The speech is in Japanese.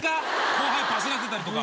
後輩パシらせたりとか。